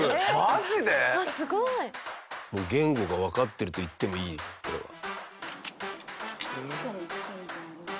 秋元：すごい！言語がわかってると言ってもいいこれは。